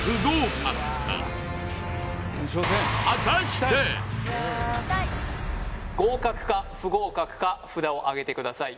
チーズ感合格か不合格か札をあげてください